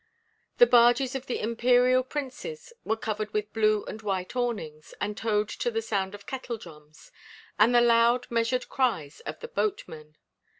The barges of the imperial princes were covered with blue and white awnings and towed to the sound of kettledrums and the loud measured cries of the boatmen.